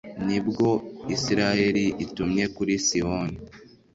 ni bwo israheli itumye kuri sihoni